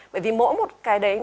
bởi vì mỗi một cái đấy